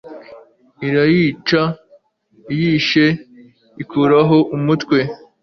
irayica, iyishe, ikuraho umutwe